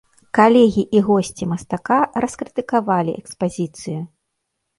Калегі і госці мастака раскрытыкавалі экспазіцыю.